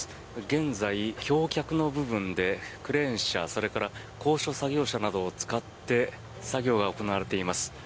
現在、橋脚の部分でクレーン車それから高所作業車などを使って作業が行われています。